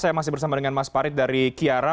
saya masih bersama dengan mas parit dari kiara